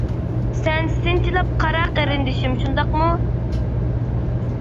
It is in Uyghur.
سەن سىنچىلاپ قارا قېرىندىشىم شۇنداقمۇ؟ !